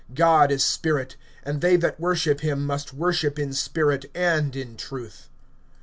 (24)God is spirit; and they that worship him, must worship in spirit and in truth.